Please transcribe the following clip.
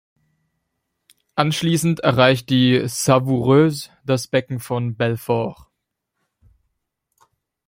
Anschließend erreicht die Savoureuse das Becken von Belfort.